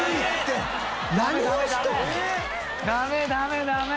ダメダメダメ！